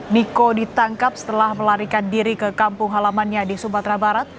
miko ditangkap setelah melarikan diri ke kampung halamannya di sumatera barat